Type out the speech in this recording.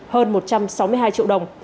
hơn một trăm sáu mươi hai triệu đồng